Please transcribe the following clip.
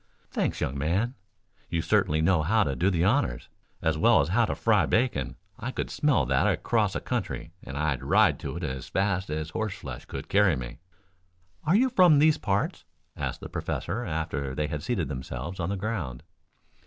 "Thanks, young man. You certainly know how to do the honors, as well as how to fry bacon. I could smell that across a county and I'd ride to it as fast as horseflesh could carry me." "Are you from these parts?" asked the professor after they had seated themselves on the ground.